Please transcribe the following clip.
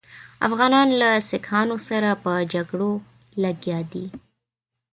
افغانان له سیکهانو سره په جګړو لګیا دي.